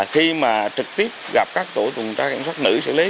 khi mà trực tiếp gặp các tổ tuần tra kiểm soát nữ xử lý